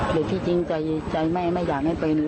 หรือที่จริงใจใจแม่ไม่อยากให้เป็น